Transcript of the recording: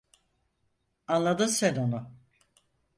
Anladın sen onu.